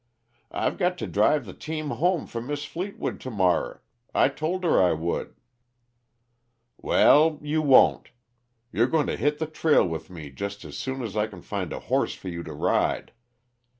"I've got to drive the team home for Mis' Fleetwood to morrer, I tol' her I would " "Well, you won't. You're going to hit the trail with me just as soon as I can find a horse for you to ride.